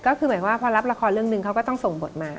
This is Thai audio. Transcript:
ก็คือเหมือนว่าพอรับละครเรื่องนึงเขาก็ต้องส่งบทมา